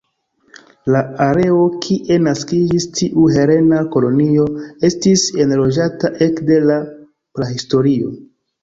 La areo kie naskiĝis tiu helena kolonio estis enloĝata ekde la prahistorio.